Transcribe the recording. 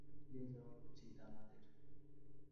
ফিরে যাওয়া উচিৎ আমাদের।